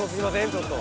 ちょっと。